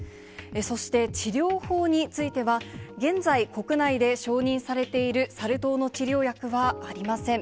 そして、治療法については、現在国内で承認されているサル痘の治療薬はありません。